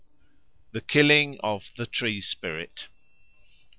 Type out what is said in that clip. The Killing of the Tree Spirit 1.